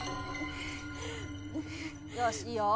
よしいいよ。